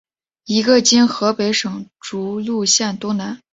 一在今河北省涿鹿县东南。